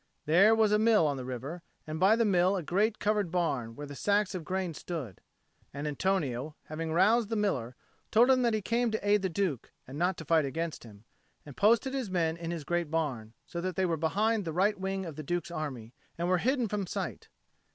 There was a mill on the river, and by the mill a great covered barn where the sacks of grain stood; and Antonio, having roused the miller, told him that he came to aid the Duke, and not to fight against him, and posted his men in this great barn; so that they were behind the right wing of the Duke's army, and were hidden from sight.